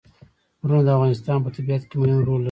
غرونه د افغانستان په طبیعت کې مهم رول لري.